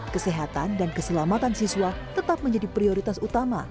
kesehatan dan keselamatan siswa tetap menjadi prioritas utama